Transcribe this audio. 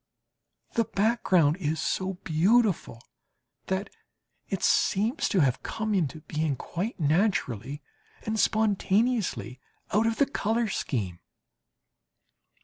The background is so beautiful that it seems to have come into being quite naturally and spontaneously out of the colour scheme.